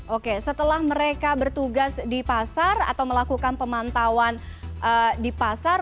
oke setelah mereka bertugas di pasar atau melakukan pemantauan di pasar